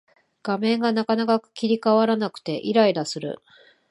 画面がなかなか切り替わらなくてイライラする